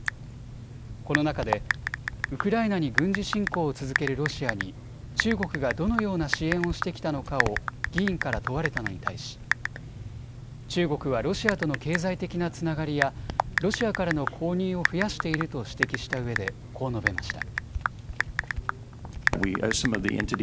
この中でウクライナに軍事侵攻を続けるロシアに中国がどのような支援をしてきたのかを議員から問われたのに対し中国はロシアとの経済的なつながりやロシアからの購入を増やしていると指摘したうえでこう述べました。